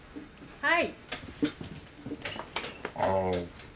はい。